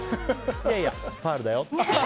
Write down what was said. いやいや、ファウルだよって。